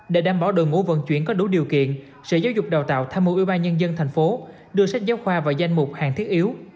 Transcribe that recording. để đảm bảo đội ngũ vận chuyển có đủ điều kiện sở giáo dục đào tạo tham mưu ủy ban nhân dân thành phố đưa sách giáo khoa vào danh mục hàng thiết yếu